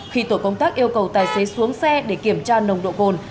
khi tổ công tác yêu cầu tài xế xuống xe để kiểm tra nồng độ cồn